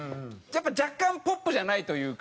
若干ポップじゃないというか。